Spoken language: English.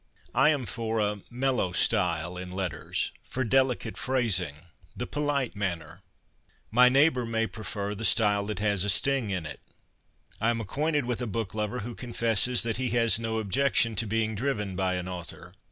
I am for a ' mel low style ' in letters, for delicate phrasing — the polite manner. My neighbour may prefer ' the style that has a sting in it.' I am acquainted with a book lover who confesses that he has no objection to being driven by an author.